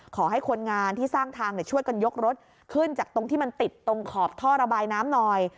ขอให้คนงานที่สร้างทางช่วยกันยกรถขึ้นจากตรงที่มันติดตรงขอบท่อระบายน้ำหน่อย